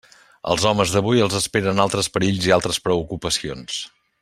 Als homes d'avui els esperen altres perills i altres preocupacions.